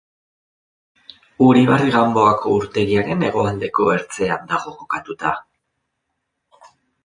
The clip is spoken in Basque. Uribarri Ganboako urtegiaren hegoaldeko ertzean dago kokatuta.